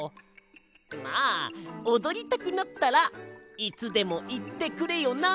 まあおどりたくなったらいつでもいってくれよな！